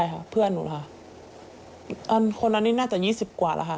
ใครค่ะเพื่อนหนูค่ะคนอันนี้น่าจะ๒๐กว่าค่ะ๒๐กว่า